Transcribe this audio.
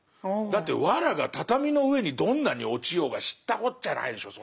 だって藁が畳の上にどんなに落ちようが知ったこっちゃないでしょ